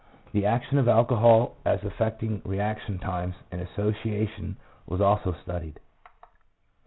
The action of alcohol as affecting reaction times and 'association' was also studied.